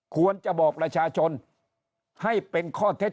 ควรจะบอกราชาชน